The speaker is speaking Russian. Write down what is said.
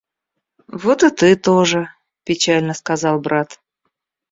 — Вот и ты тоже, — печально сказал брат.